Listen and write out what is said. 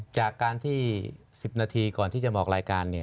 จากการที่๑๐นาทีก่อนที่จะมาออกรายการ